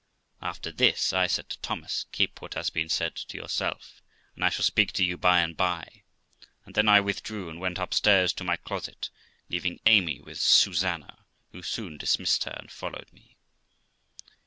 After this, I said to Thomas, ' Keep what has been said to yourself, and I shall speak to you by and by'; and then I withdrew, and went upstairs to my closet, leaving Amy with Susanna, who soon dismissed her, and followed me.